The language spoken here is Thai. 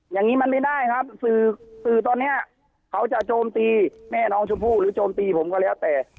อย่างนี้มันไม่ได้ครับสื่อสื่อตอนนี้เขาจะโจมตีแม่น้องชมพู่หรือโจมตีผมก็แล้วแต่